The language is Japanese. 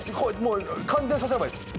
感電させればいいです。